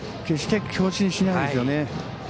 決して強振しないですよね。